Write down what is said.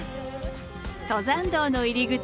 登山道の入り口